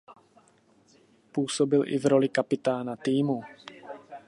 Působil i v roli kapitána týmu.